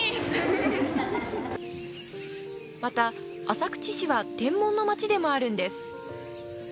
また、浅口市は「天文のまち」でもあるんです。